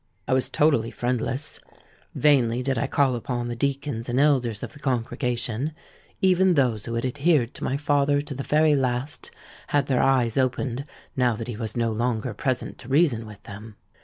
"I was totally friendless. Vainly did I call upon the deacons and elders of the congregation; even those who had adhered to my father to the very last, had their eyes opened now that he was no longer present to reason with them.